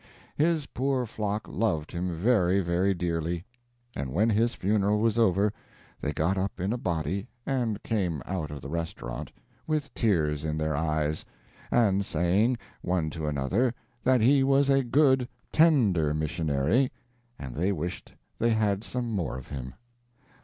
His poor flock loved him very, very dearly; and when his funeral was over, they got up in a body (and came out of the restaurant) with tears in their eyes, and saying, one to another, that he was a good tender missionary, and they wished they had some more of him.